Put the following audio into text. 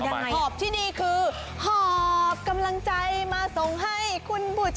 หอบที่นี่คือหอบกำลังใจมาส่งให้คุณผู้ชม